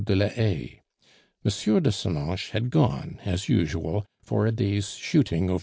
de la Haye. M. de Senonches had gone, as usual, for a day's shooting over M.